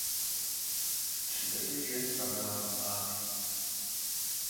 Střídavě žije v Praze a Miláně.